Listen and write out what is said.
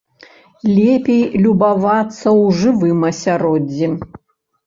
Лепей любавацца ў жывым асяроддзі.